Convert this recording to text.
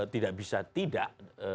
tidak bisa tidak